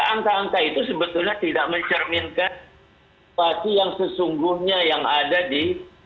angka angka itu sebetulnya tidak mencerminkan situasi yang sesungguhnya yang ada di